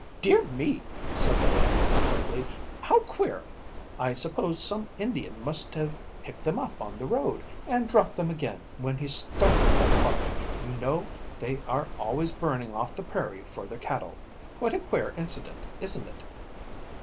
"Dear me," said the little man quickly. "How queer! I suppose some Indian must have picked them up on the road and dropped them again when he started that fire. You know they are always burning off the prairie for their cattle. Quite a queer incident, isn't it?"